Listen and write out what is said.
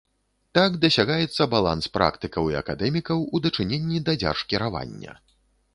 Так дасягаецца баланс практыкаў і акадэмікаў у дачыненні да дзяржкіравання.